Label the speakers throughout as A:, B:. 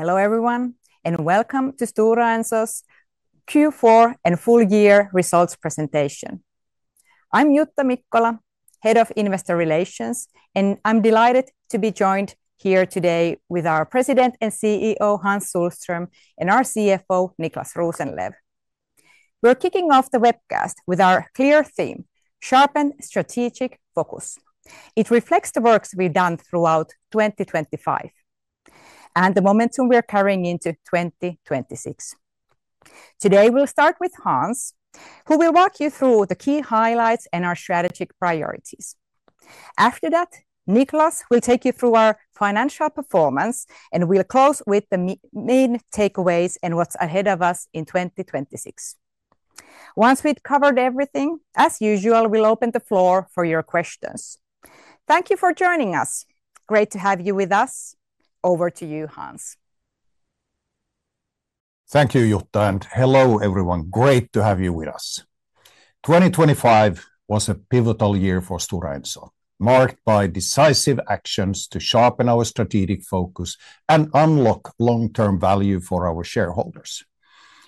A: Hello, everyone, and welcome to Stora Enso's Q4 and full year results presentation. I'm Jutta Mikkola, Head of Investor Relations, and I'm delighted to be joined here today with our President and CEO, Hans Sohlström, and our CFO, Niclas Rosenlew. We're kicking off the webcast with our clear theme, Sharpened Strategic Focus. It reflects the works we've done throughout 2025, and the momentum we are carrying into 2026. Today, we'll start with Hans, who will walk you through the key highlights and our strategic priorities. After that, Niclas will take you through our financial performance, and we'll close with the main takeaways and what's ahead of us in 2026. Once we've covered everything, as usual, we'll open the floor for your questions. Thank you for joining us. Great to have you with us. Over to you, Hans.
B: Thank you, Jutta, and hello, everyone. Great to have you with us. 2025 was a pivotal year for Stora Enso, marked by decisive actions to sharpen our strategic focus and unlock long-term value for our shareholders.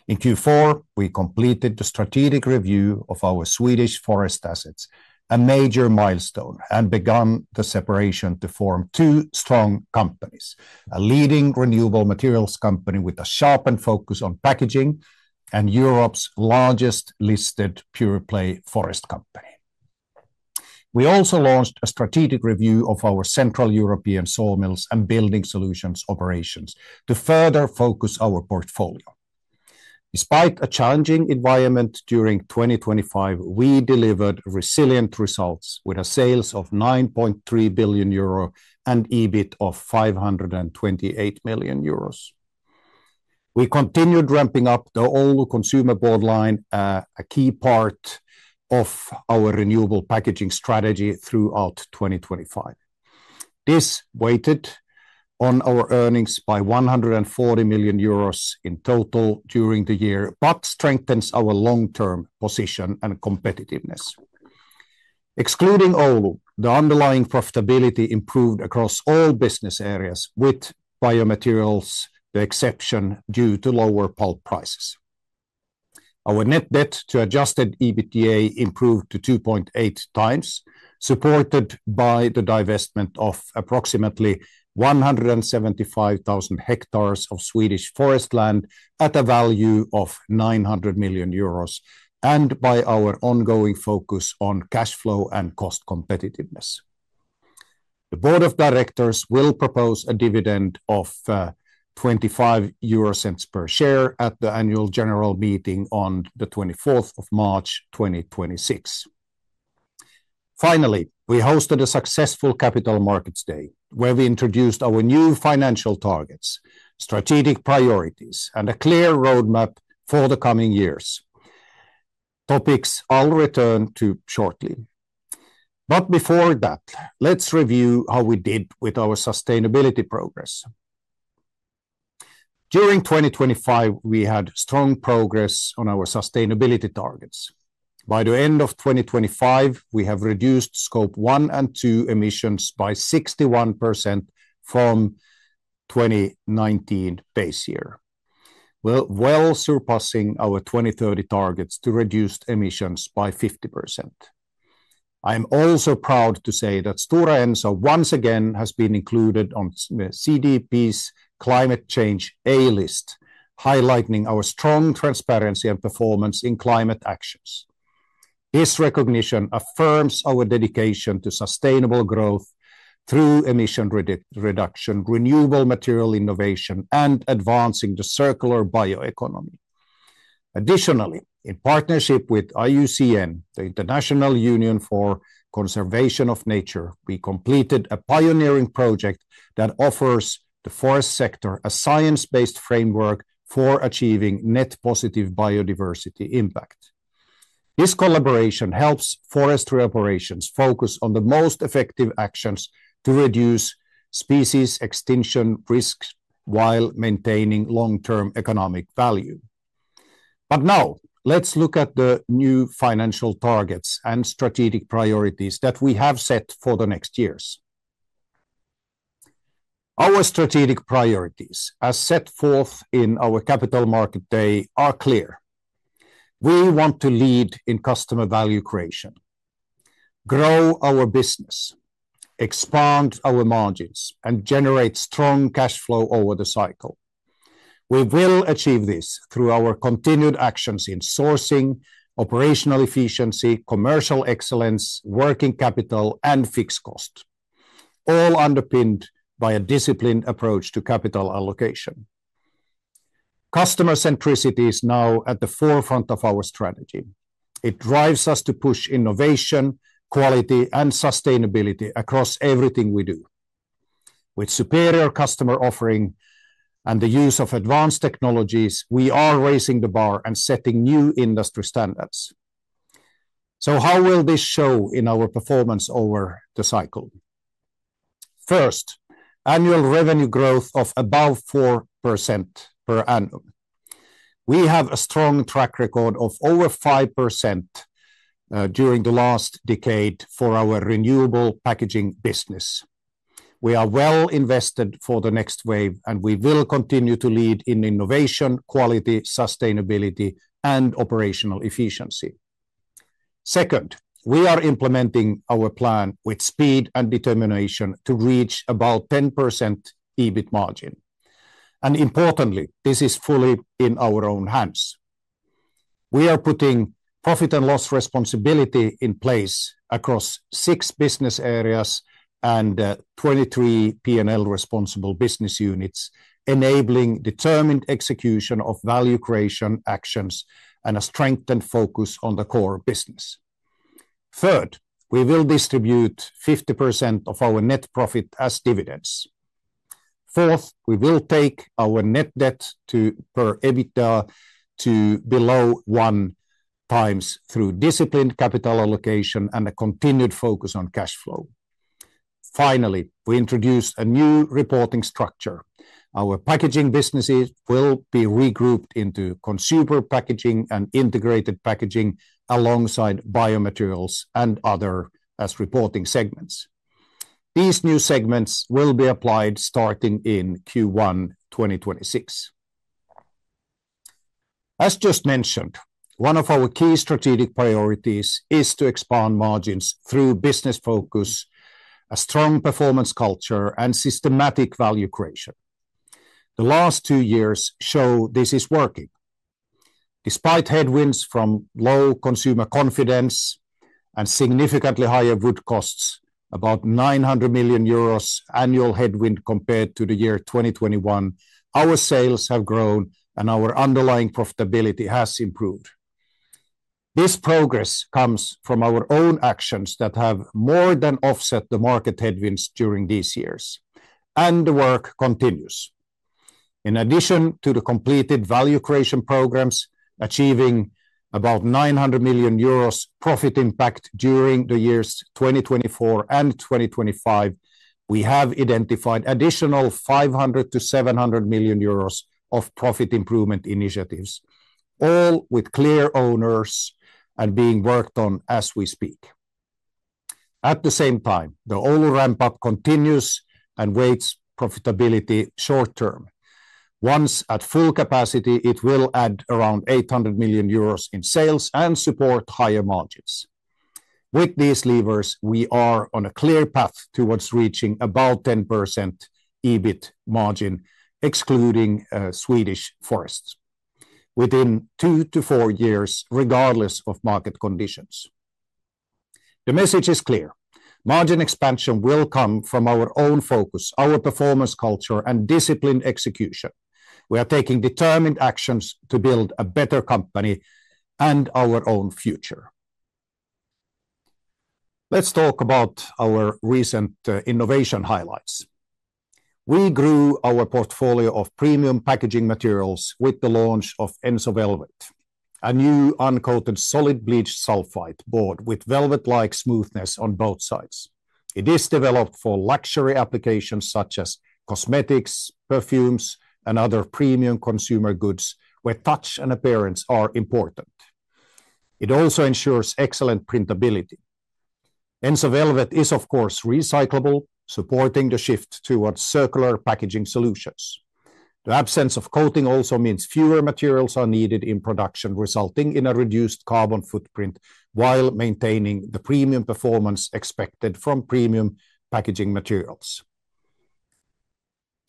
B: In Q4, we completed the strategic review of our Swedish forest assets, a major milestone, and begun the separation to form two strong companies: a leading renewable materials company with a sharpened focus on packaging, and Europe's largest listed pure-play forest company. We also launched a strategic review of our Central European sawmills and building solutions operations to further focus our portfolio. Despite a challenging environment during 2025, we delivered resilient results with sales of 9.3 billion euro and EBIT of 528 million euros. We continued ramping up the Oulu consumer board line, a key part of our renewable packaging strategy throughout 2025. This weighed on our earnings by 140 million euros in total during the year but strengthens our long-term position and competitiveness. Excluding Oulu, the underlying profitability improved across all business areas, with Biomaterials the exception due to lower pulp prices. Our net debt to adjusted EBITDA improved to 2.8x, supported by the divestment of approximately 175,000 hectares of Swedish forest land at a value of 900 million euros and by our ongoing focus on cash flow and cost competitiveness. The board of directors will propose a dividend of 0.25 per share at the annual general meeting on the twenty-fourth of March 2026. Finally, we hosted a successful Capital Markets Day, where we introduced our new financial targets, strategic priorities, and a clear roadmap for the coming years, topics I'll return to shortly. But before that, let's review how we did with our sustainability progress. During 2025, we had strong progress on our sustainability targets. By the end of 2025, we have reduced Scope 1 and 2 emissions by 61% from 2019 base year, well, well surpassing our 2030 targets to reduce emissions by 50%. I am also proud to say that Stora Enso once again has been included on CDP's Climate Change A List, highlighting our strong transparency and performance in climate actions. This recognition affirms our dedication to sustainable growth through emission reduction, renewable material innovation, and advancing the circular bioeconomy. Additionally, in partnership with IUCN, the International Union for Conservation of Nature, we completed a pioneering project that offers the forest sector a science-based framework for achieving net positive biodiversity impact. This collaboration helps forestry operations focus on the most effective actions to reduce species extinction risks while maintaining long-term economic value. But now, let's look at the new financial targets and strategic priorities that we have set for the next years. Our strategic priorities, as set forth in our Capital Market Day, are clear. We want to lead in customer value creation, grow our business, expand our margins, and generate strong cash flow over the cycle. We will achieve this through our continued actions in sourcing, operational efficiency, commercial excellence, working capital, and fixed cost, all underpinned by a disciplined approach to capital allocation. Customer centricity is now at the forefront of our strategy. It drives us to push innovation, quality, and sustainability across everything we do. With superior customer offering and the use of advanced technologies, we are raising the bar and setting new industry standards. So how will this show in our performance over the cycle? First, annual revenue growth of above 4% per annum. We have a strong track record of over 5% during the last decade for our renewable packaging business. We are well invested for the next wave, and we will continue to lead in innovation, quality, sustainability, and operational efficiency. Second, we are implementing our plan with speed and determination to reach about 10% EBIT margin, and importantly, this is fully in our own hands. We are putting profit and loss responsibility in place across 6 business areas and 23 P&L-responsible business units, enabling determined execution of value creation actions and a strengthened focus on the core business. Third, we will distribute 50% of our net profit as dividends. Fourth, we will take our net debt to per EBITDA to below 1x through disciplined capital allocation and a continued focus on cash flow. Finally, we introduce a new reporting structure. Our packaging businesses will be regrouped into consumer packaging and integrated packaging, alongside biomaterials and other as reporting segments. These new segments will be applied starting in Q1 2026. As just mentioned, one of our key strategic priorities is to expand margins through business focus, a strong performance culture, and systematic value creation. The last two years show this is working. Despite headwinds from low consumer confidence and significantly higher wood costs, about 900 million euros annual headwind compared to the year 2021, our sales have grown, and our underlying profitability has improved. This progress comes from our own actions that have more than offset the market headwinds during these years, and the work continues. In addition to the completed value creation programs, achieving about 900 million euros profit impact during the years 2024 and 2025, we have identified additional 500 million-700 million euros of profit improvement initiatives, all with clear owners and being worked on as we speak. At the same time, the Oulu ramp-up continues and weighs profitability short term. Once at full capacity, it will add around 800 million euros in sales and support higher margins. With these levers, we are on a clear path towards reaching about 10% EBIT margin, excluding Swedish forests, within 2-4 years, regardless of market conditions. The message is clear: margin expansion will come from our own focus, our performance culture, and disciplined execution. We are taking determined actions to build a better company and our own future. Let's talk about our recent innovation highlights. We grew our portfolio of premium packaging materials with the launch of Ensovelvet, a new uncoated solid bleached sulphate board with velvet-like smoothness on both sides. It is developed for luxury applications such as cosmetics, perfumes, and other premium consumer goods, where touch and appearance are important. It also ensures excellent printability. Ensovelvet is, of course, recyclable, supporting the shift towards circular packaging solutions. The absence of coating also means fewer materials are needed in production, resulting in a reduced carbon footprint, while maintaining the premium performance expected from premium packaging materials.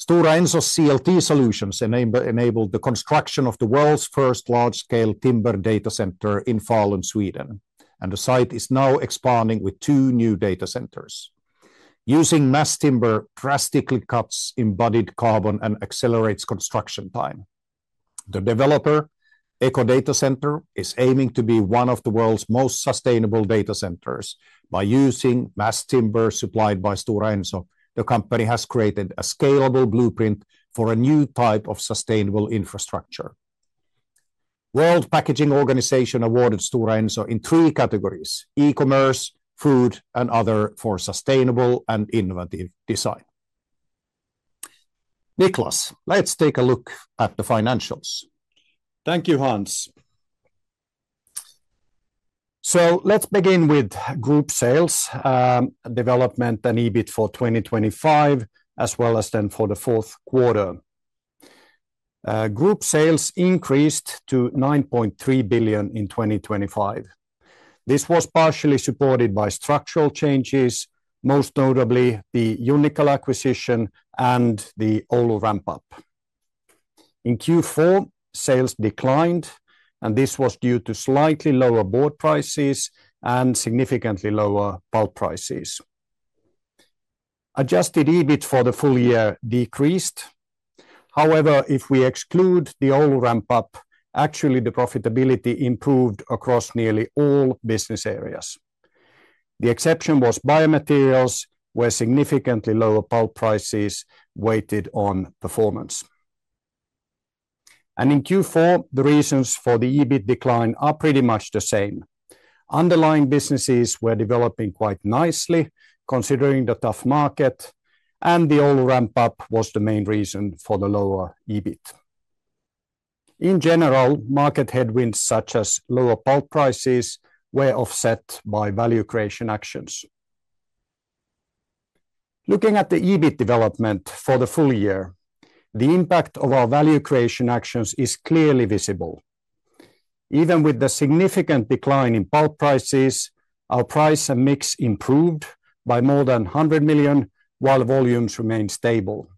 B: Stora Enso CLT Solutions enabled the construction of the world's first large-scale timber data center in Falun, Sweden, and the site is now expanding with two new data centers. Using mass timber drastically cuts embodied carbon and accelerates construction time. The developer, EcoDataCenter, is aiming to be one of the world's most sustainable data centers. By using mass timber supplied by Stora Enso, the company has created a scalable blueprint for a new type of sustainable infrastructure. World Packaging Organization awarded Stora Enso in three categories: e-commerce, food, and other for sustainable and innovative design. Niclas, let's take a look at the financials.
C: Thank you, Hans. So let's begin with group sales development and EBIT for 2025, as well as then for the fourth quarter. Group sales increased to 9.3 billion in 2025. This was partially supported by structural changes, most notably the Junnikkala acquisition and the Oulu ramp-up. In Q4, sales declined, and this was due to slightly lower board prices and significantly lower pulp prices. Adjusted EBIT for the full year decreased. However, if we exclude the Oulu ramp-up, actually, the profitability improved across nearly all business areas. The exception was Biomaterials, where significantly lower pulp prices weighed on performance. In Q4, the reasons for the EBIT decline are pretty much the same. Underlying businesses were developing quite nicely, considering the tough market, and the Oulu ramp-up was the main reason for the lower EBIT. In general, market headwinds, such as lower pulp prices, were offset by value creation actions. Looking at the EBIT development for the full year, the impact of our value creation actions is clearly visible. Even with the significant decline in pulp prices, our price and mix improved by more than 100 million, while volumes remained stable.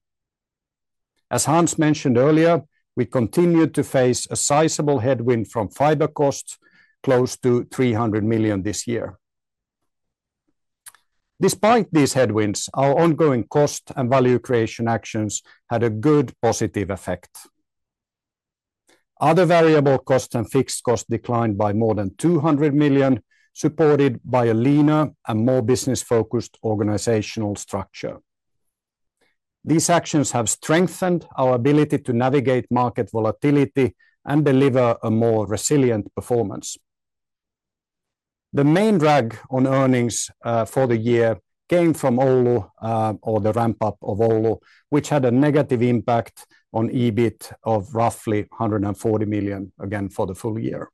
C: As Hans mentioned earlier, we continued to face a sizable headwind from fiber costs, close to 300 million this year. Despite these headwinds, our ongoing cost and value creation actions had a good, positive effect. Other variable cost and fixed cost declined by more than 200 million, supported by a leaner and more business-focused organizational structure. These actions have strengthened our ability to navigate market volatility and deliver a more resilient performance. The main drag on earnings for the year came from Oulu, or the ramp-up of Oulu, which had a negative impact on EBIT of roughly 140 million, again, for the full year.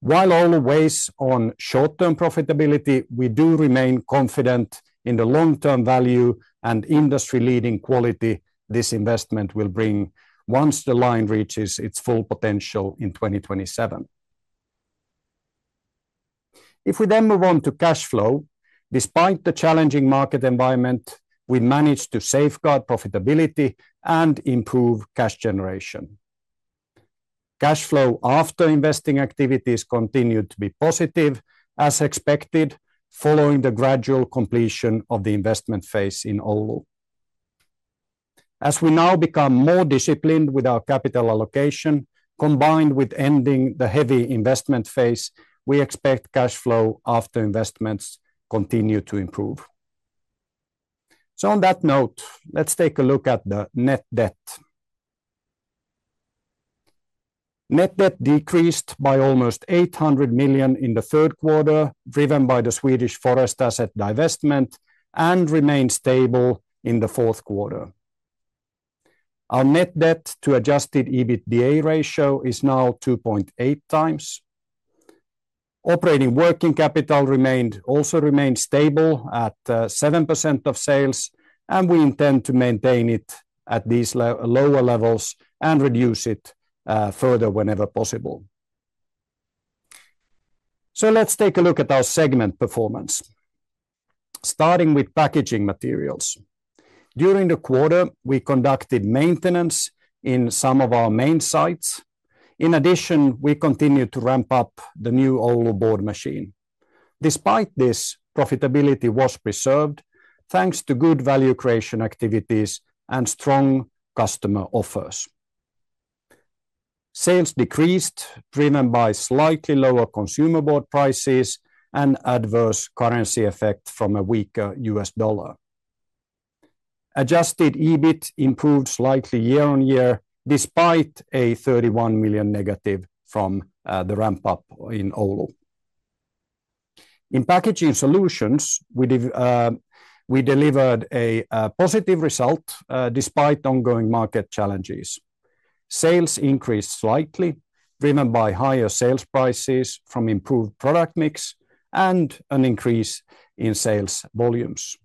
C: While Oulu weighs on short-term profitability, we do remain confident in the long-term value and industry-leading quality this investment will bring once the line reaches its full potential in 2027. If we then move on to cash flow, despite the challenging market environment, we managed to safeguard profitability and improve cash generation. Cash flow after investing activities continued to be positive, as expected, following the gradual completion of the investment phase in Oulu. As we now become more disciplined with our capital allocation, combined with ending the heavy investment phase, we expect cash flow after investments continue to improve. So on that note, let's take a look at the net debt. Net debt decreased by almost 800 million in the third quarter, driven by the Swedish forest asset divestment, and remained stable in the fourth quarter. Our net debt to adjusted EBITDA ratio is now 2.8x. Operating working capital also remained stable at 7% of sales, and we intend to maintain it at these lower levels and reduce it further whenever possible. So let's take a look at our segment performance, starting with Packaging Materials. During the quarter, we conducted maintenance in some of our main sites. In addition, we continued to ramp up the new Oulu board machine. Despite this, profitability was preserved, thanks to good value creation activities and strong customer offers. Sales decreased, driven by slightly lower consumer board prices and adverse currency effect from a weaker US dollar. Adjusted EBIT improved slightly year-on-year, despite a 31 million- from the ramp-up in Oulu. In Packaging Solutions, we delivered a positive result despite ongoing market challenges. Sales increased slightly, driven by higher sales prices from improved product mix and an increase in sales volumes.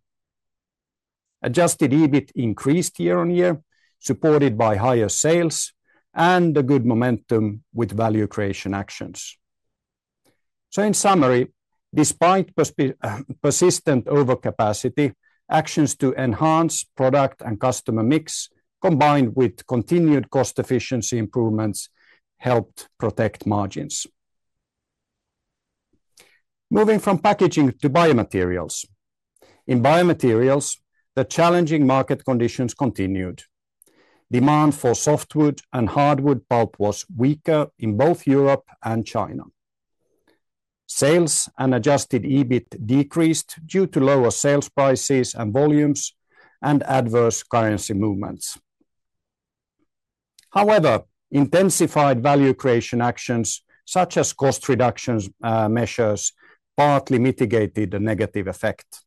C: Adjusted EBIT increased year-on-year, supported by higher sales and a good momentum with value creation actions. So in summary, despite persistent overcapacity, actions to enhance product and customer mix, combined with continued cost efficiency improvements, helped protect margins. Moving from Packaging to Biomaterials. In Biomaterials, the challenging market conditions continued. Demand for softwood and hardwood pulp was weaker in both Europe and China. Sales and adjusted EBIT decreased due to lower sales prices and volumes and adverse currency movements. However, intensified value creation actions, such as cost reductions, measures, partly mitigated the negative effect.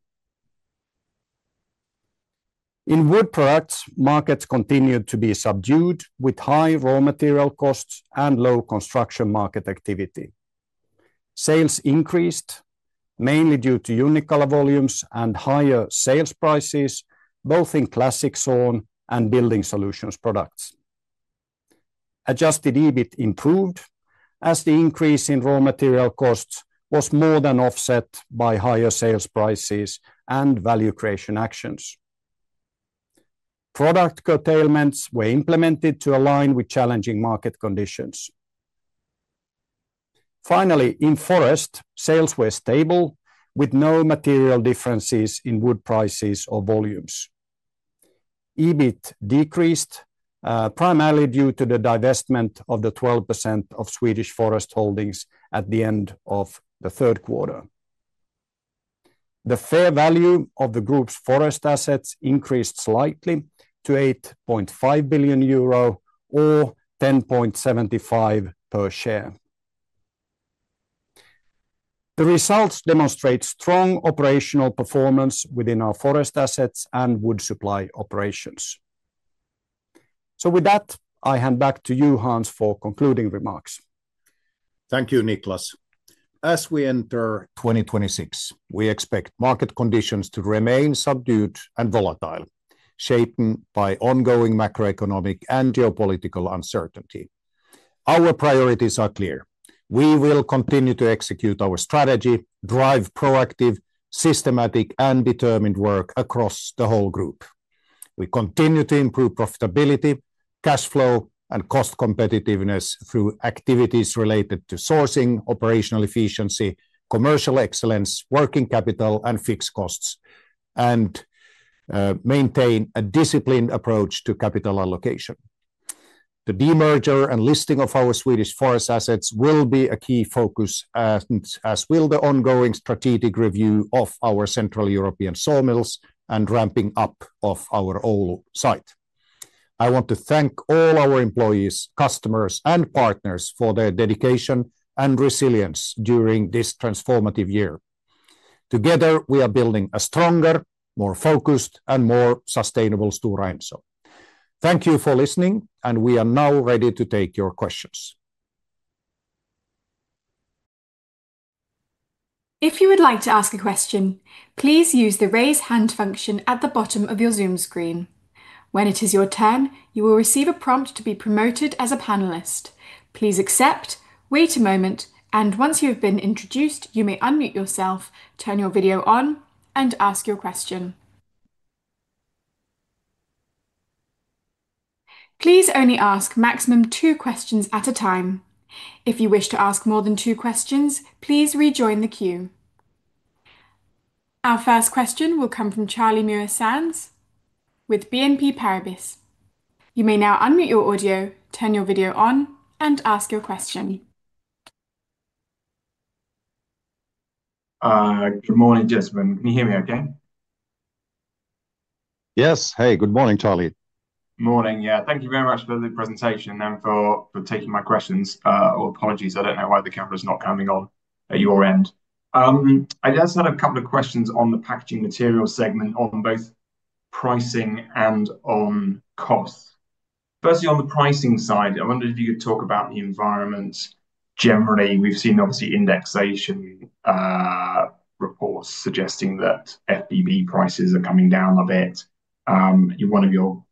C: In wood products, markets continued to be subdued, with high raw material costs and low construction market activity. Sales increased, mainly due to Junnikkala volumes and higher sales prices, both in Classic Sawn and Building Solutions products. Adjusted EBIT improved, as the increase in raw material costs was more than offset by higher sales prices and value creation actions. Product curtailments were implemented to align with challenging market conditions. Finally, in forest, sales were stable, with no material differences in wood prices or volumes. EBIT decreased primarily due to the divestment of the 12% of Swedish forest holdings at the end of the third quarter. The fair value of the group's forest assets increased slightly to 8.5 billion euro, or 10.75 per share. The results demonstrate strong operational performance within our forest assets and wood supply operations. So with that, I hand back to you, Hans, for concluding remarks.
B: Thank you, Niclas. As we enter 2026, we expect market conditions to remain subdued and volatile, shaped by ongoing macroeconomic and geopolitical uncertainty. Our priorities are clear: We will continue to execute our strategy, drive proactive, systematic, and determined work across the whole group. We continue to improve profitability, cash flow, and cost competitiveness through activities related to sourcing, operational efficiency, commercial excellence, working capital, and fixed costs, and maintain a disciplined approach to capital allocation. The demerger and listing of our Swedish forest assets will be a key focus, as will the ongoing strategic review of our Central European sawmills and ramping up of our Oulu site. I want to thank all our employees, customers, and partners for their dedication and resilience during this transformative year. Together, we are building a stronger, more focused, and more sustainable Stora Enso. Thank you for listening, and we are now ready to take your questions.
D: If you would like to ask a question, please use the Raise Hand function at the bottom of your Zoom screen. When it is your turn, you will receive a prompt to be promoted as a panelist. Please accept, wait a moment, and once you have been introduced, you may unmute yourself, turn your video on, and ask your question. Please only ask maximum two questions at a time. If you wish to ask more than two questions, please rejoin the queue. Our first question will come from Charlie Muir-Sands with BNP Paribas. You may now unmute your audio, turn your video on, and ask your question.
E: Good morning, gentlemen. Can you hear me okay?
B: Yes. Hey, good morning, Charlie.
E: Morning, yeah. Thank you very much for the presentation and for taking my questions. Oh, apologies, I don't know why the camera's not coming on at your end. I just had a couple of questions on the Packaging Materials segment on both pricing and on costs. Firstly, on the pricing side, I wondered if you could talk about the environment. Generally, we've seen, obviously, indexation reports suggesting that FBB prices are coming down a bit. One of your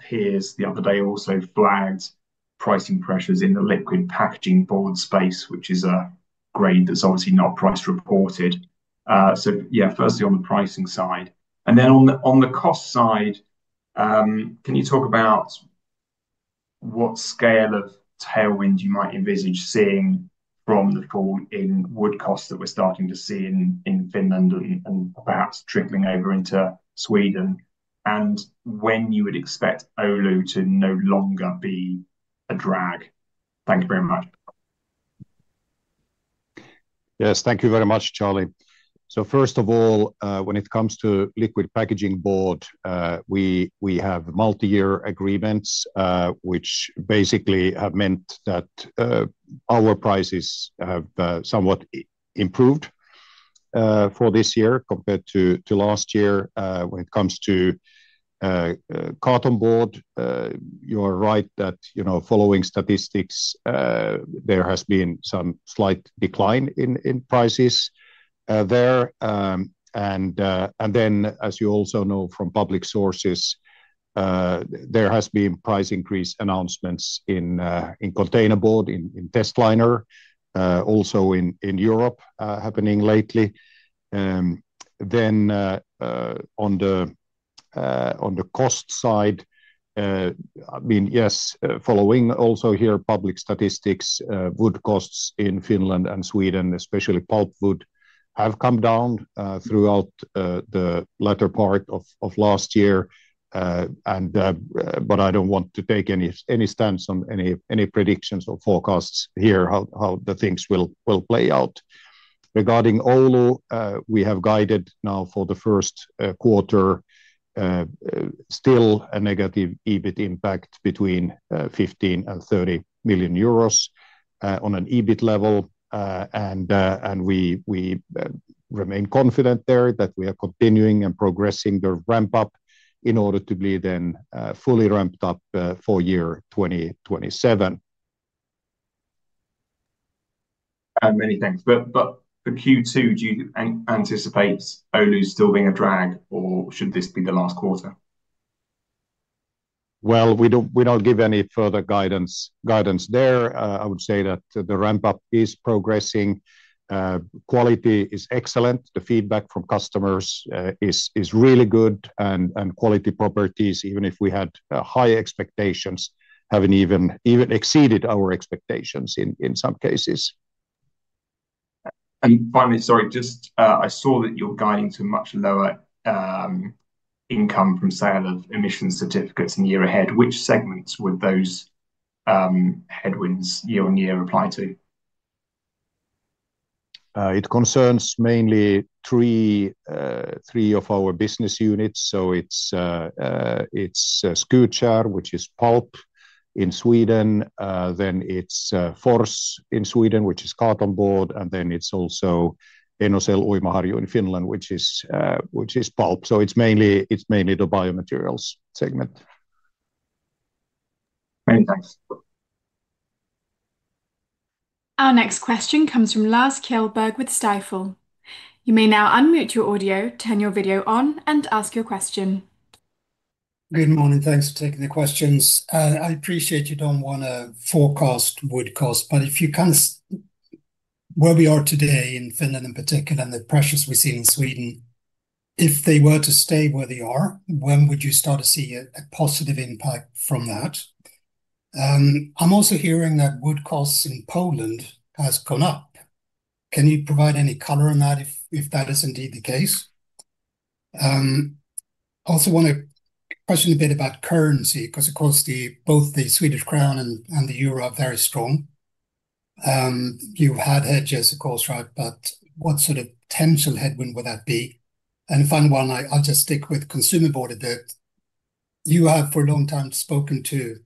E: peers the other day also flagged pricing pressures in the Liquid Packaging Board space, which is a grade that's obviously not price reported. So yeah, firstly, on the pricing side. And then on the cost side, can you talk about what scale of tailwind you might envisage seeing from the fall in wood costs that we're starting to see in Finland and perhaps trickling over into Sweden, and when you would expect Oulu to no longer be a drag? Thank you very much.
B: Yes, thank you very much, Charlie. So first of all, when it comes to Liquid Packaging Board, we have multi-year agreements, which basically have meant that our prices have somewhat improved for this year compared to last year. When it comes to carton board, you are right that, you know, following statistics, there has been some slight decline in prices there. And then, as you also know from public sources, there has been price increase announcements in containerboard, in testliner, also in Europe, happening lately. Then, on the cost side, I mean, yes, following also here public statistics, wood costs in Finland and Sweden, especially pulp wood, have come down, throughout the latter part of last year. But I don't want to take any stance on any predictions or forecasts here, how the things will play out. Regarding Oulu, we have guided now for the first quarter, still a negative EBIT impact between 15 million and 30 million euros, on an EBIT level. And we remain confident there that we are continuing and progressing the ramp-up in order to be then fully ramped up, for year 2027.
E: Many thanks. But for Q2, do you anticipate Oulu still being a drag, or should this be the last quarter?
B: Well, we don't give any further guidance there. I would say that the ramp-up is progressing. Quality is excellent. The feedback from customers is really good, and quality properties, even if we had high expectations, have even exceeded our expectations in some cases.
E: Finally, sorry, just, I saw that you're guiding to much lower income from sale of emission certificates in the year ahead. Which segments would those headwinds year-on-year apply to?
B: It concerns mainly three, three of our business units. So it's, it's Skutskär, which is pulp in Sweden. Then it's Fors in Sweden, which is cartonboard, and then it's also Enocell Uimaharju in Finland, which is, which is pulp. So it's mainly, it's mainly the Biomaterials segment.
E: Thanks.
D: Our next question comes from Lars Kjellberg with Stifel. You may now unmute your audio, turn your video on, and ask your question.
F: Good morning. Thanks for taking the questions. I appreciate you don't want to forecast wood cost, but if you can, where we are today, in Finland in particular, and the pressures we've seen in Sweden, if they were to stay where they are, when would you start to see a positive impact from that? I'm also hearing that wood costs in Poland has gone up. Can you provide any color on that if that is indeed the case? I also want to question a bit about currency, 'cause, of course, both the Swedish krona and the euro are very strong. You had hedges, of course, right? But what sort of potential headwind would that be? And final one, I'll just stick with consumer board a bit. You have, for a long time, spoken to,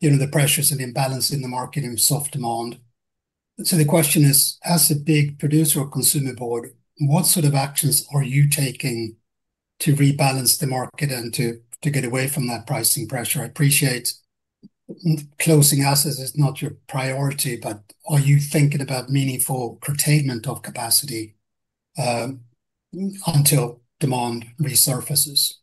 F: you know, the pressures and imbalance in the market in soft demand. The question is: As a big producer of consumer board, what sort of actions are you taking to rebalance the market and to, to get away from that pricing pressure? I appreciate closing assets is not your priority, but are you thinking about meaningful curtailment of capacity until demand resurfaces?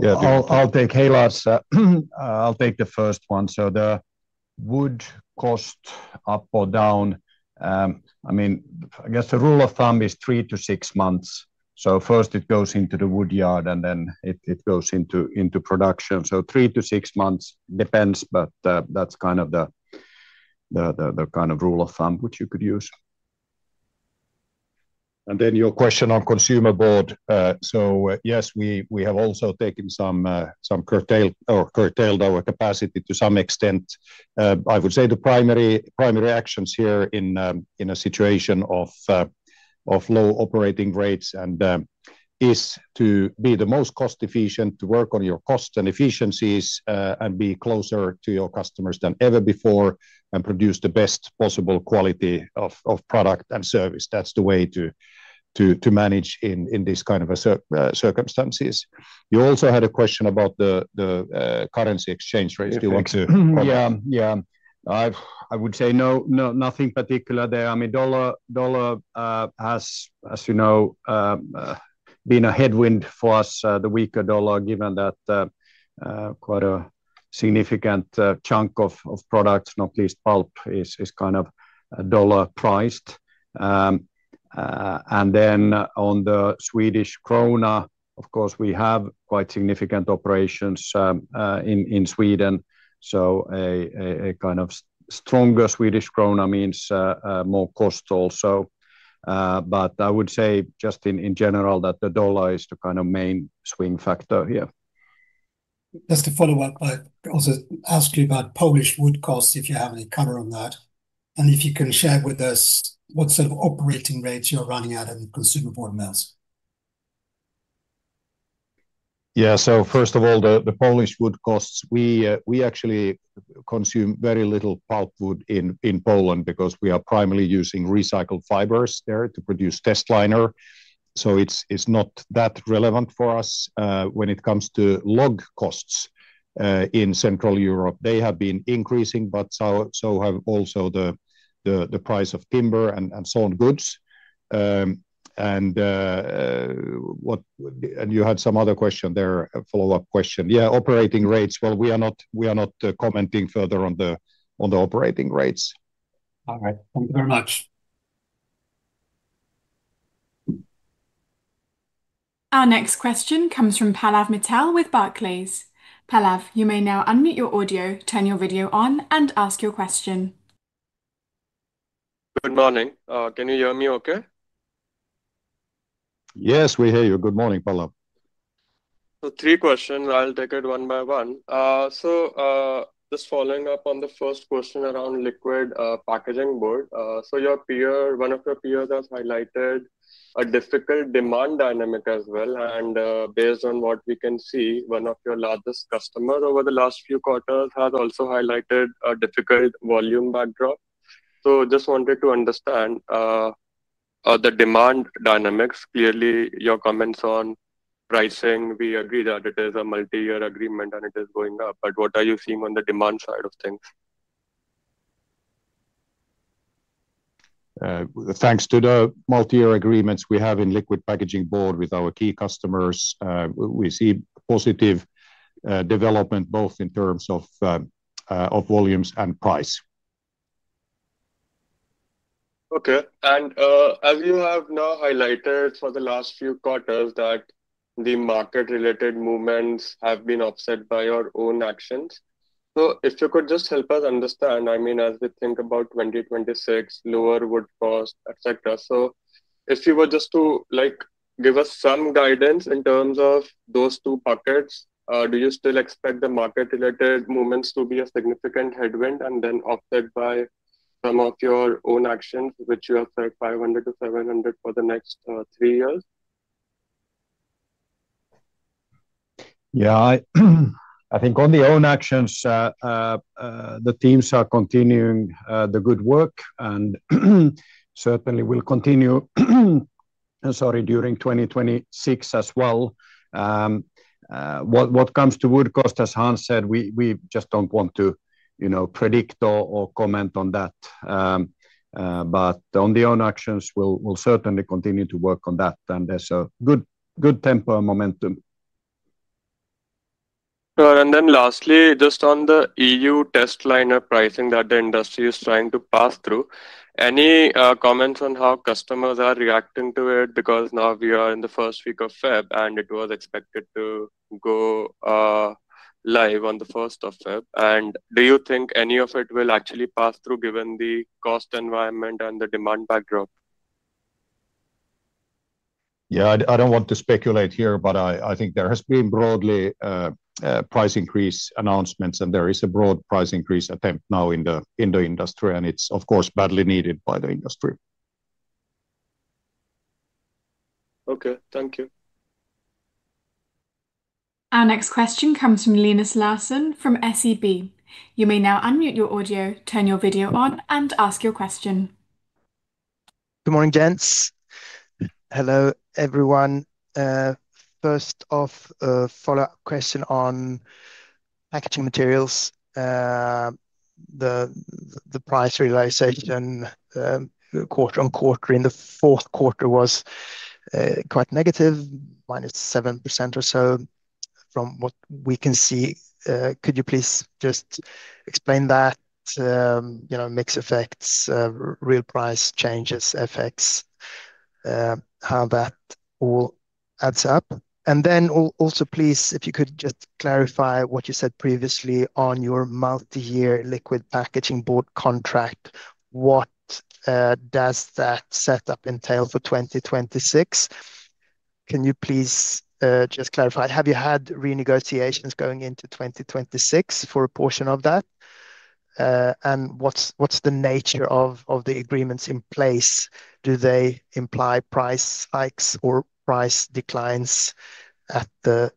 B: Yeah, I'll, I'll take. Hey, Lars. I'll take the first one. So the wood cost up or down, I mean, I guess the rule of thumb is 3-6 months. So first it goes into the woodyard, and then it goes into production. So 3-6 months, depends, but that's kind of the kind of rule of thumb which you could use. And then your question on consumer board. So, yes, we have also taken some curtailed our capacity to some extent. I would say the primary, primary actions here in a situation of low operating rates and is to be the most cost efficient, to work on your costs and efficiencies, and be closer to your customers than ever before, and produce the best possible quality of product and service. That's the way to manage in this kind of circumstances. You also had a question about the currency exchange rates. Do you want to—
C: Yeah. Yeah. I've— I would say no, no, nothing particular there. I mean, dollar has, as you know, been a headwind for us, the weaker US dollar, given that quite a significant chunk of products, not least pulp, is kind of US dollar priced. And then on the Swedish krona, of course, we have quite significant operations in Sweden, so a kind of stronger Swedish krona means more cost also. But I would say just in general, that the US dollar is the kind of main swing factor here.
F: Just to follow up, I also ask you about Polish wood costs, if you have any color on that, and if you can share with us what sort of operating rates you're running at in the consumer board mills?
B: Yeah. So first of all, the Polish wood costs, we actually consume very little pulpwood in Poland because we are primarily using recycled fibers there to produce testliner, so it's not that relevant for us. When it comes to log costs in Central Europe, they have been increasing, but so have also the price of timber and sawn goods. And you had some other question there, a follow-up question. Yeah, operating rates. Well, we are not commenting further on the operating rates.
F: All right. Thank you very much.
D: Our next question comes from Pallav Mittal with Barclays. Pallav, you may now unmute your audio, turn your video on, and ask your question.
G: Good morning. Can you hear me okay?
B: Yes, we hear you. Good morning, Pallav.
G: So three questions, I'll take it one by one. So, just following up on the first question around liquid packaging board. So your peer, one of your peers has highlighted a difficult demand dynamic as well, and, based on what we can see, one of your largest customers over the last few quarters has also highlighted a difficult volume backdrop. So just wanted to understand the demand dynamics. Clearly, your comments on pricing, we agree that it is a multi-year agreement, and it is going up, but what are you seeing on the demand side of things?
B: Thanks to the multi-year agreements we have in Liquid Packaging Board with our key customers, we see positive development both in terms of volumes and price.
G: Okay. As you have now highlighted for the last few quarters, that the market-related movements have been offset by your own actions. So if you could just help us understand, I mean, as we think about 2026, lower wood cost, et cetera. So if you were just to, like, give us some guidance in terms of those two pockets, do you still expect the market-related movements to be a significant headwind and then offset by some of your own actions, which you have said 500-700 for the next three years?
C: Yeah, I think on the own actions, the teams are continuing the good work, and certainly will continue, and sorry, during 2026 as well. What comes to wood cost, as Hans said, we just don't want to, you know, predict or comment on that. But on the own actions, we'll certainly continue to work on that, and there's a good tempo and momentum.
G: Sure. And then lastly, just on the EU testliner pricing that the industry is trying to pass through, any comments on how customers are reacting to it? Because now we are in the first week of February, and it was expected to go live on the first of February. And do you think any of it will actually pass through, given the cost environment and the demand backdrop?
B: Yeah, I don't want to speculate here, but I think there has been broadly price increase announcements, and there is a broad price increase attempt now in the industry, and it's, of course, badly needed by the industry.
G: Okay. Thank you.
D: Our next question comes from Linus Larsson from SEB. You may now unmute your audio, turn your video on, and ask your question.
H: Good morning, gents. Hello, everyone. First off, a follow-up question on packaging materials. The price realization quarter-on-quarter in the fourth quarter was quite negative, -7% or so, from what we can see. Could you please just explain that, you know, mix effects, real price changes, FX, how that all adds up? And then also, please, if you could just clarify what you said previously on your multi-year Liquid Packaging Board contract, what does that setup entail for 2026? Can you please just clarify? Have you had renegotiations going into 2026 for a portion of that? And what's the nature of the agreements in place? Do they imply price hikes or price declines at the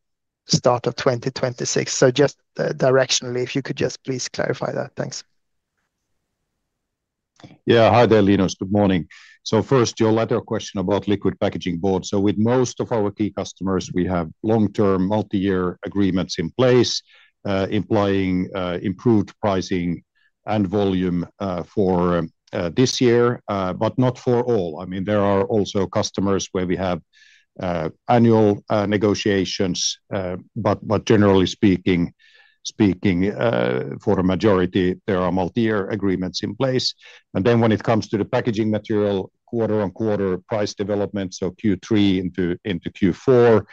H: start of 2026? So just directionally, if you could just please clarify that. Thanks.
B: Yeah. Hi there, Linus. Good morning. So first, your latter question about liquid packaging board. So with most of our key customers, we have long-term, multi-year agreements in place, implying improved pricing and volume for this year, but not for all. I mean, there are also customers where we have annual negotiations. But generally speaking, for a majority, there are multi-year agreements in place. And then when it comes to the packaging material, quarter-over-quarter price development, so Q3 into Q4,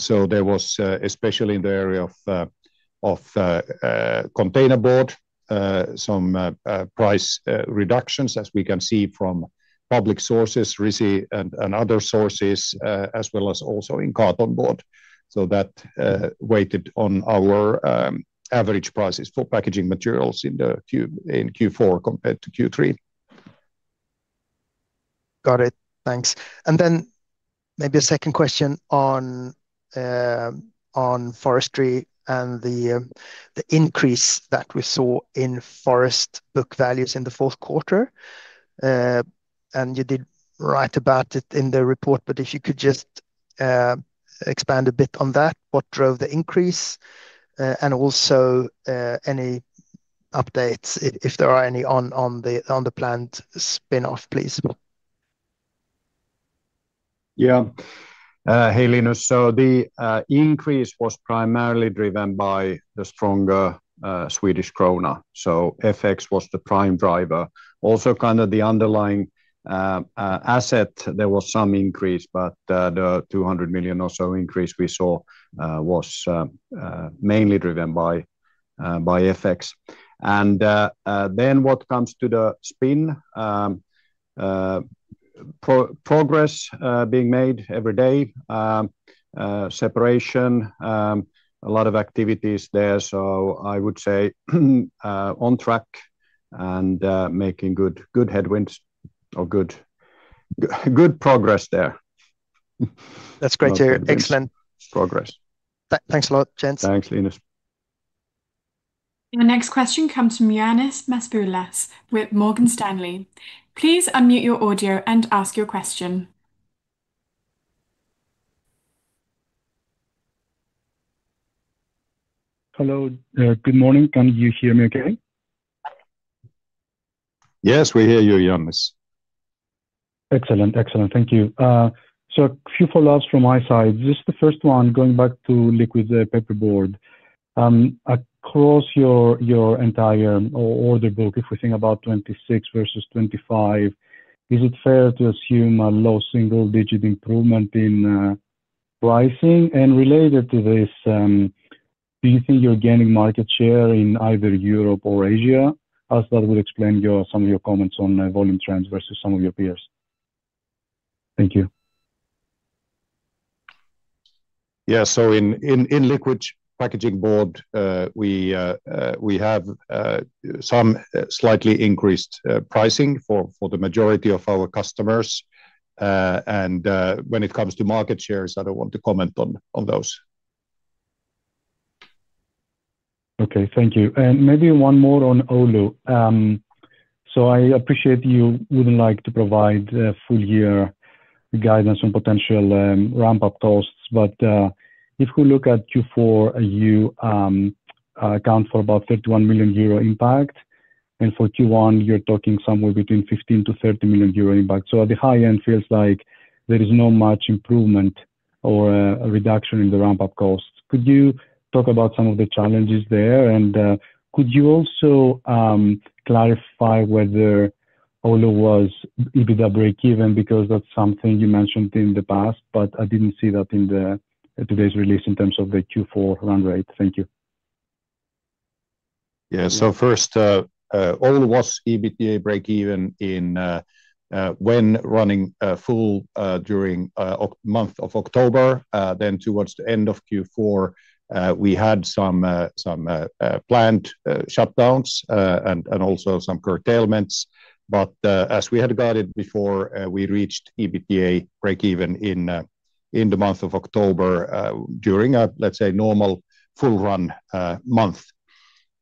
B: so there was especially in the area of containerboard some price reductions, as we can see from public sources, RISI and other sources, as well as also in cartonboard. So that weighed on our average prices for Packaging Materials in Q4 compared to Q3.
H: Got it. Thanks. And then maybe a second question on forestry and the increase that we saw in forest book values in the fourth quarter. And you did write about it in the report, but if you could just expand a bit on that, what drove the increase? And also, any updates, if there are any, on the planned spin-off, please.
B: Yeah. Hey, Linus. So the increase was primarily driven by the stronger Swedish krona, so FX was the prime driver. Also, kind of the underlying asset, there was some increase, but the 200 million or so increase we saw was mainly driven by FX. And then what comes to the spin progress being made every day, separation, a lot of activities there. So I would say on track and making good headwinds or good progress there.
H: That's great to hear. Excellent.
B: Progress.
H: Thanks a lot, gents.
B: Thanks, Linus.
D: The next question comes from Ioannis Masvoulas with Morgan Stanley. Please unmute your audio and ask your question.
I: Hello. Good morning. Can you hear me okay?
B: Yes, we hear you, Ioannis.
I: Excellent. Excellent. Thank you. So a few follow-ups from my side. Just the first one, going back to liquid packaging board. Across your entire order book, if we think about 2026 versus 2025, is it fair to assume a low single-digit improvement in, pricing and related to this, do you think you're gaining market share in either Europe or Asia, as that would explain your, some of your comments on, volume trends versus some of your peers? Thank you.
B: Yeah. So in Liquid Packaging Board, we have some slightly increased pricing for the majority of our customers. And when it comes to market shares, I don't want to comment on those.
I: Okay, thank you. And maybe one more on Oulu. So I appreciate you wouldn't like to provide a full year guidance on potential, ramp-up costs, but, if we look at Q4, you, account for about 51 million euro impact, and for Q1, you're talking somewhere between 15 million-30 million euro impact. So at the high end, feels like there is no much improvement or, a reduction in the ramp-up costs. Could you talk about some of the challenges there? And, could you also, clarify whether Oulu was, EBITDA breakeven? Because that's something you mentioned in the past, but I didn't see that in the, today's release in terms of the Q4 run rate. Thank you.
B: Yeah. So first, Oulu was EBITDA breakeven when running full during the month of October. Then towards the end of Q4, we had some planned shutdowns and also some curtailments. But as we had about it before, we reached EBITDA breakeven in the month of October during a, let's say, normal full run month.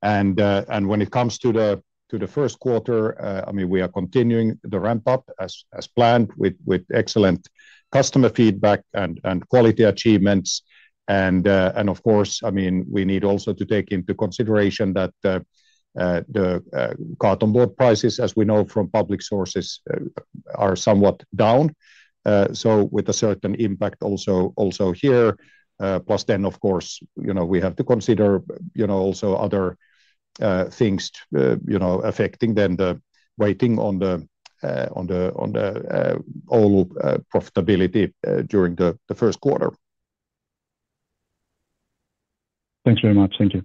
B: And when it comes to the first quarter, I mean, we are continuing the ramp-up as planned, with excellent customer feedback and quality achievements. And of course, I mean, we need also to take into consideration that the carton board prices, as we know from public sources, are somewhat down. So with a certain impact also, also here, plus then, of course, you know, we have to consider, you know, also other things, you know, affecting then the weighting on the, on the, on the, Oulu profitability, during the first quarter.
I: Thanks very much. Thank you.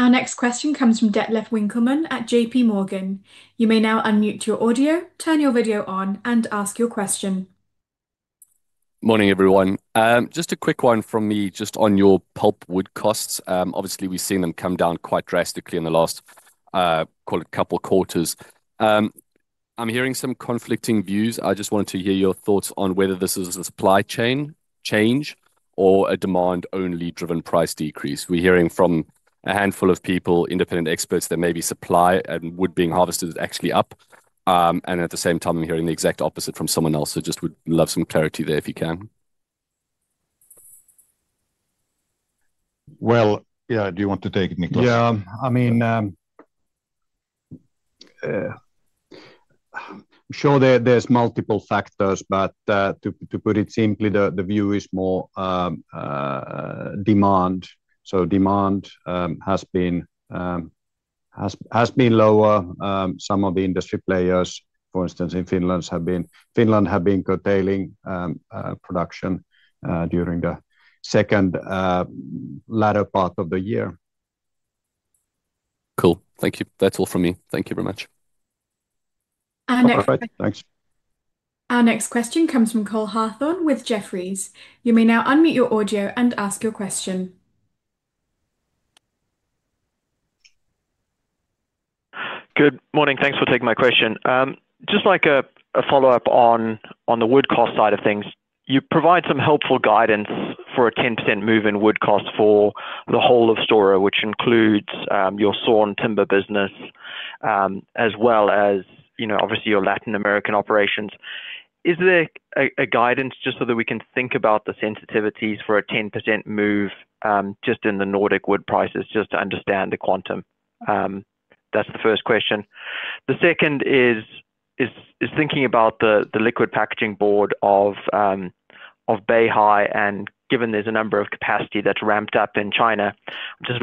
D: Our next question comes from Detlef Winckelmann at JPMorgan. You may now unmute your audio, turn your video on, and ask your question.
J: Morning, everyone. Just a quick one from me, just on your pulpwood costs. Obviously, we've seen them come down quite drastically in the last, call it couple quarters. I'm hearing some conflicting views. I just wanted to hear your thoughts on whether this is a supply chain change or a demand-only driven price decrease. We're hearing from a handful of people, independent experts, that maybe supply and wood being harvested is actually up. And at the same time, I'm hearing the exact opposite from someone else. So just would love some clarity there, if you can.
B: Well, yeah. Do you want to take it, Niclas?
C: Yeah. I mean, sure, there's multiple factors, but to put it simply, the view is more demand. So demand has been lower. Some of the industry players, for instance, in Finland, have been curtailing production during the latter part of the year.
J: Cool. Thank you. That's all from me. Thank you very much.
D: Our next-
B: Perfect. Thanks.
D: Our next question comes from Cole Hathorn with Jefferies. You may now unmute your audio and ask your question.
K: Good morning. Thanks for taking my question. Just a follow-up on the wood cost side of things. You provide some helpful guidance for a 10% move in wood cost for the whole of Stora, which includes your sawn timber business, as well as, you know, obviously, your Latin American operations. Is there a guidance, just so that we can think about the sensitivities for a 10% move just in the Nordic wood prices, just to understand the quantum? That's the first question. The second is thinking about the liquid packaging board of Beihai, and given there's a number of capacity that's ramped up in China, just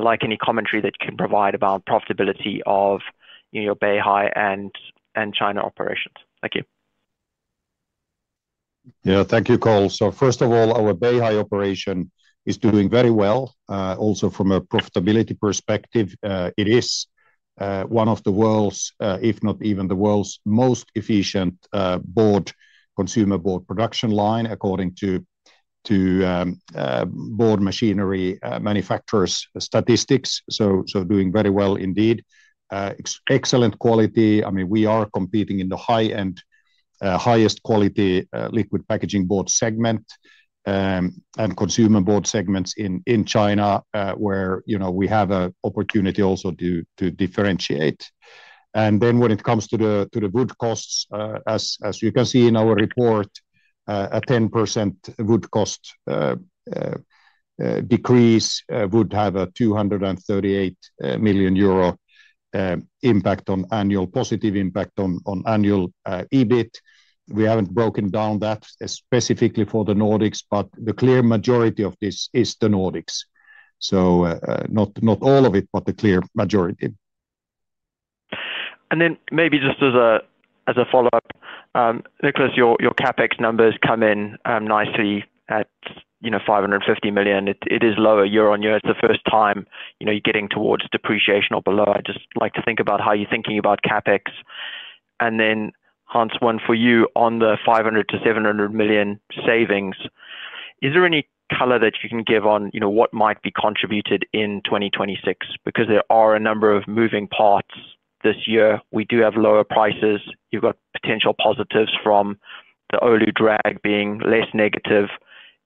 K: like any commentary that you can provide about profitability of, you know, Beihai and China operations. Thank you.
B: Yeah. Thank you, Cole. So first of all, our Beihai operation is doing very well, also from a profitability perspective. It is one of the world's, if not even the world's most efficient, board, consumer board production line, according to board machinery manufacturers' statistics. So doing very well indeed. Excellent quality. I mean, we are competing in the high-end, highest quality, liquid packaging board segment, and consumer board segments in China, where, you know, we have a opportunity also to differentiate. And then when it comes to the wood costs, as you can see in our report, a 10% wood cost decrease would have a 238 million euro positive impact on annual EBIT. We haven't broken down that specifically for the Nordics, but the clear majority of this is the Nordics. So, not all of it, but the clear majority.
K: Then maybe just as a follow-up, Niclas, your CapEx numbers come in nicely at, you know, 550 million. It is lower year-on-year. It's the first time, you know, you're getting towards depreciation or below. I'd just like to think about how you're thinking about CapEx. Then, Hans, one for you. On the 500 million-700 million savings, is there any color that you can give on, you know, what might be contributed in 2026? Because there are a number of moving parts this year. We do have lower prices. You've got potential positives from the Oulu drag being less negative.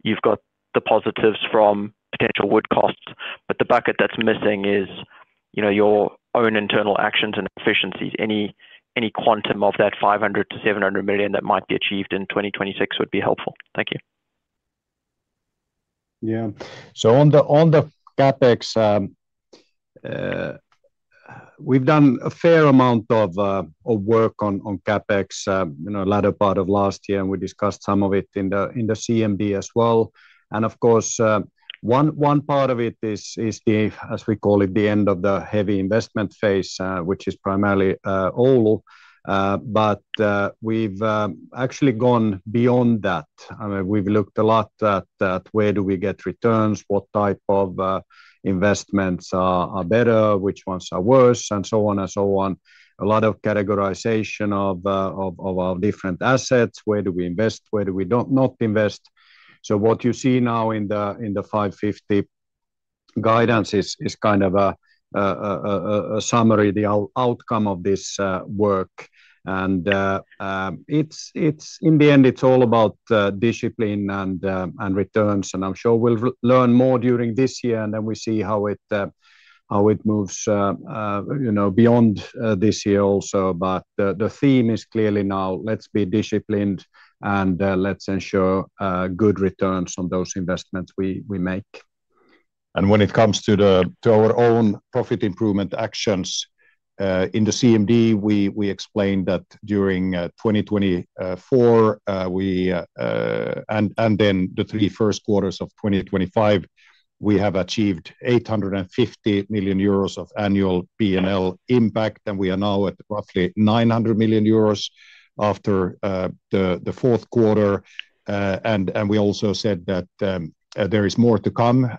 K: You've got the positives from potential wood costs. But the bucket that's missing is, you know, your own internal actions and efficiencies. Any quantum of that 500 million-700 million that might be achieved in 2026 would be helpful. Thank you.
C: Yeah. So on the CapEx, we've done a fair amount of work on CapEx, you know, latter part of last year, and we discussed some of it in the CMD as well. And of course, one part of it is, as we call it, the end of the heavy investment phase, which is primarily Oulu. But we've actually gone beyond that. I mean, we've looked a lot at where do we get returns, what type of investments are better, which ones are worse, and so on and so on. A lot of categorization of our different assets. Where do we invest, where do we not invest? So what you see now in the 550 guidance is kind of a summary, the outcome of this work. And it's. In the end, it's all about discipline and returns, and I'm sure we'll learn more during this year, and then we see how it moves, you know, beyond this year also. But the theme is clearly now, let's be disciplined, and let's ensure good returns on those investments we make.
B: And when it comes to the, to our own profit improvement actions, in the CMD, we explained that during 2024, we and then the first three quarters of 2025, we have achieved 850 million euros of annual P&L impact, and we are now at roughly 900 million euros after the fourth quarter. And we also said that there is more to come.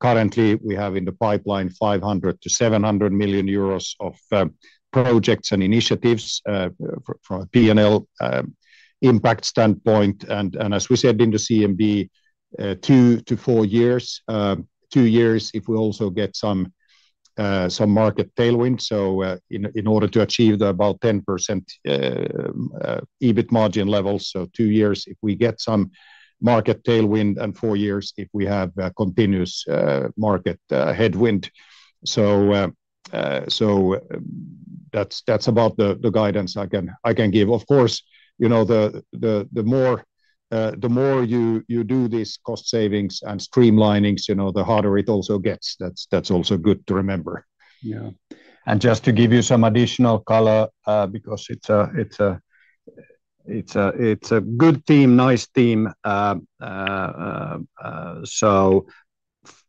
B: Currently, we have in the pipeline 500 million-700 million euros of projects and initiatives from a P&L impact standpoint. And as we said in the CMD, 2-4 years, 2 years, if we also get some market tailwind. So, in order to achieve the about 10% EBIT margin levels, two years if we get some market tailwind, and four years if we have a continuous market headwind. So, that's about the guidance I can give. Of course, you know, the more you do this cost savings and streamlinings, you know, the harder it also gets. That's also good to remember.
C: Yeah. And just to give you some additional color, because it's a good team, nice team. So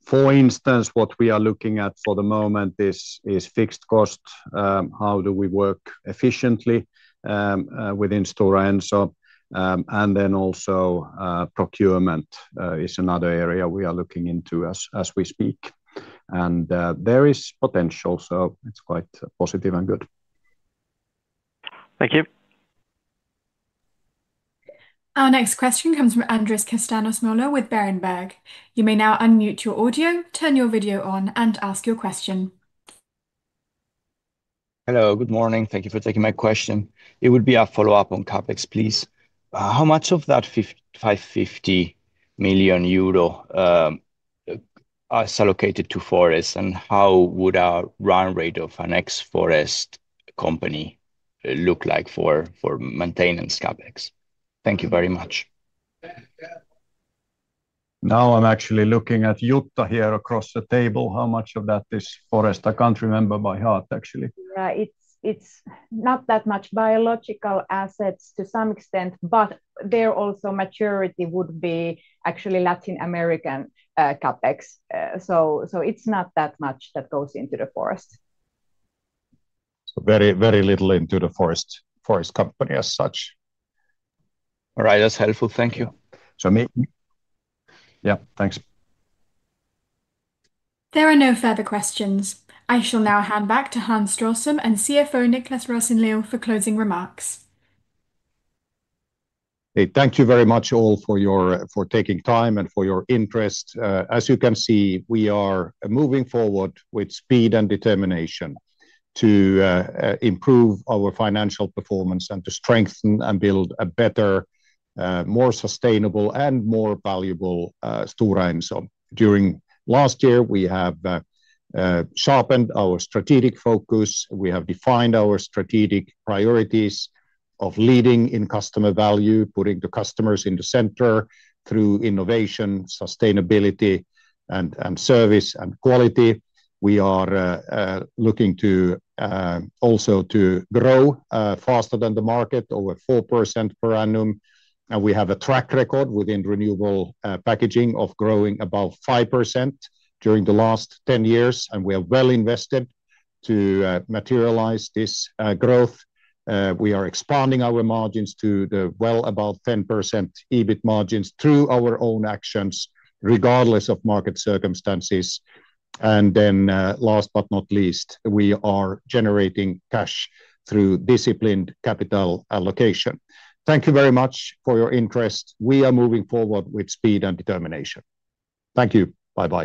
C: for instance, what we are looking at for the moment is fixed cost. How do we work efficiently within Stora Enso? And then also, procurement is another area we are looking into as we speak. And there is potential, so it's quite positive and good.
K: Thank you.
D: Our next question comes from Andres Castanos-Mollor with Berenberg. You may now unmute your audio, turn your video on, and ask your question.
L: Hello, good morning. Thank you for taking my question. It would be a follow-up on CapEx, please. How much of that 550 million euro is allocated to forest, and how would a run rate of an ex-forest company look like for maintaining CapEx? Thank you very much.
B: Now, I'm actually looking at Jutta here across the table. How much of that is forest? I can't remember by heart, actually.
A: Yeah, it's not that much biological assets to some extent, but there also maturity would be actually Latin American CapEx. So it's not that much that goes into the forest.
B: Very, very little into the forest, forest company as such.
L: All right, that's helpful. Thank you.
B: Yeah, thanks.
D: There are no further questions. I shall now hand back to Hans Sohlström and CFO Niclas Rosenlew for closing remarks.
B: Hey, thank you very much, all, for your, for taking time and for your interest. As you can see, we are moving forward with speed and determination to improve our financial performance and to strengthen and build a better, more sustainable and more valuable, Stora Enso. During last year, we have sharpened our strategic focus. We have defined our strategic priorities of leading in customer value, putting the customers in the center through innovation, sustainability, and service and quality. We are looking to also to grow faster than the market, over 4% per annum. And we have a track record within renewable packaging of growing about 5% during the last 10 years, and we are well invested to materialize this growth. We are expanding our margins to the well above 10% EBIT margins through our own actions, regardless of market circumstances. And then, last but not least, we are generating cash through disciplined capital allocation. Thank you very much for your interest. We are moving forward with speed and determination. Thank you. Bye-bye.